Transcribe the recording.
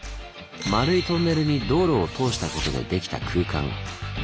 まるいトンネルに道路を通したことでできた空間。